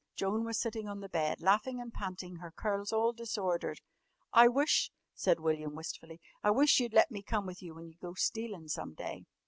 Joan was sitting on the bed, laughing and panting, her curls all disordered. "I wish," said William wistfully, "I wish you'd let me come with you when you go stealin' some day!"